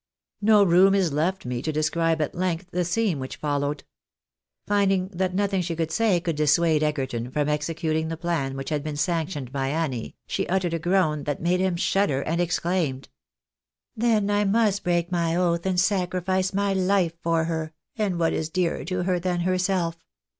No room is left me to describe at length the scene which fol INSDERECTION OF SLAVES. 841 lowed. Finding that nothing she could say could dissuade Egerton from executing the plan which had been sanctioned by Agnes, she uttered a groan that made him shudder, and exclaimed —" Then I must break my oath and sacrifice my life for her, and what is dearer to her than herself.